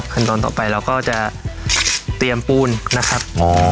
ขั้นตอนต่อไปเราก็จะเตรียมปูนนะครับ